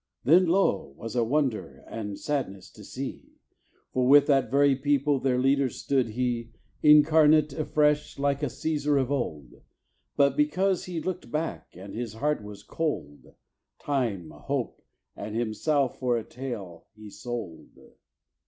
Then, lo! was a wonder, and sadness to see; For with that very people, their leader, stood he, Incarnate afresh, like a Cæsar of old;[C] But because he look'd back, and his heart was cold, Time, hope, and himself for a tale he sold.